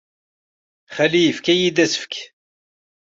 Xali yefka-iyi-d asefk.